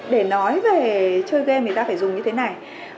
để nói về chơi game thì ta phải dùng như thế này